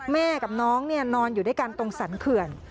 แม่กับน้องนอนอยู่ด้วยกันตรงสรรเขื่อน